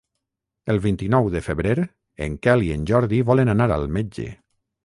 El vint-i-nou de febrer en Quel i en Jordi volen anar al metge.